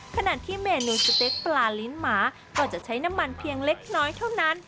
ขณะที่เมนูสเต็กปลาลิ้นหมาก็จะใช้น้ำมันเพียงเล็กน้อยเท่านั้น